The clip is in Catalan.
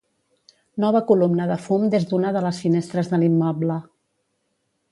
Nova columna de fum des d'una de les finestres de l'immoble.